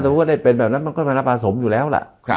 ถ้าสมมุติได้เป็นแบบนั้นมันก็จะรับประสมอยู่แล้วล่ะ